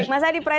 mas hadi prai